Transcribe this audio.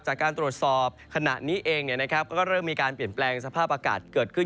จากการตรวจสอบขณะนี้เองก็เริ่มมีการเปลี่ยนแปลงสภาพอากาศเกิดขึ้น